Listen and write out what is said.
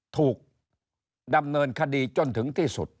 ถูกดำเนินคดีจนถึงที่สุด